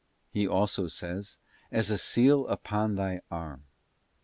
He says also, 'as a seal upon thy arm.